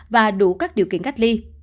và đủ các điều kiện cách ly